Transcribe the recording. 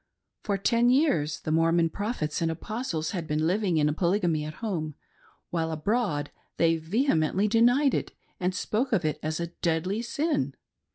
For ten years the Mormo'n, Prophets and Apostles had been living in Polygamy at home,, while abroad they vehemently denied it and spoke of it as a deadly sin.